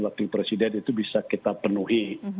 wakil presiden itu bisa kita penuhi